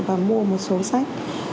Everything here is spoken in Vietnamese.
và mua một số sách